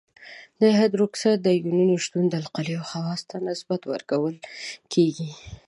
د هایدروکساید د آیونونو شتون د القلیو خواصو ته نسبت ورکول کیږي.